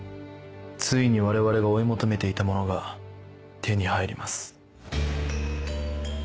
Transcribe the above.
ついに我々が追い求めていたものが手に入ります。